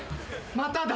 まただ。